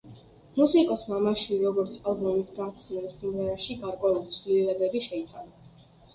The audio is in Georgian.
მუსიკოსმა მასში, როგორც ალბომის გამხსნელ სიმღერაში, გარკვეული ცვლილებები შეიტანა.